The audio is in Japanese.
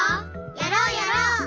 やろうやろう！